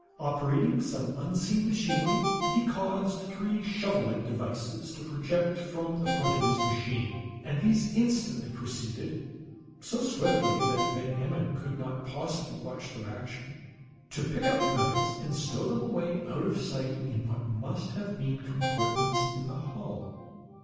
Operating some unseen machinery, he caused three shovel like devices to project from the front of his machine; and these instantly proceeded, so swiftly that Van Emmon could not possibly watch their action, to pick up nuggets and stow them away out of sight in what must have been compartments in the hull.